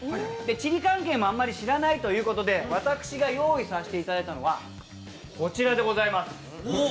地理関係もあんまり知らないということで私が用意させていただいたのはこちらでございます。